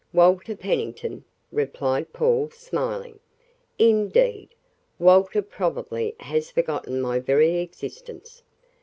"Walter Pennington," replied Paul, smiling. "Indeed, Walter probably has forgotten my very existence."